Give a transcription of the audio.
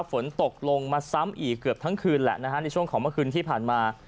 ฝนตกลงมาซ้ำอีกเกือบทั้งคืนแหละนะฮะในช่วงของเมื่อคืนที่ผ่านมา